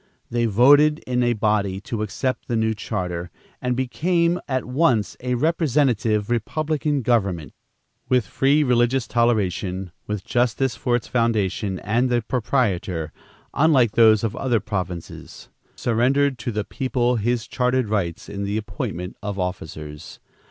they voted in a body to accept the new charter, and became at once a representative republican government, with free religious toleration, with justice, for its foundation, and the proprietor, unlike those of other provinces, surrendered to the people his chartered rights in the appointment of officers.